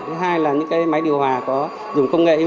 thứ hai là những máy điều hòa có dùng công nghệ inverter